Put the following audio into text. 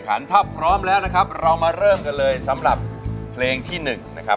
ถ้าพร้อมแล้วนะครับเรามาเริ่มกันเลยสำหรับเพลงที่๑นะครับ